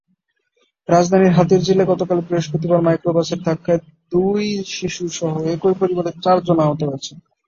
রাজধানীর হাতিরঝিলে গতকাল বৃহস্পতিবার মাইক্রোবাসের ধাক্কায় দুই শিশুসহ একই পরিবারের চারজন আহত হয়েছেন।